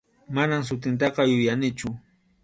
Manam sutintaqa yuyanichu.